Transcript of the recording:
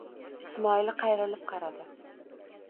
Ismoil qayrilib qaradi.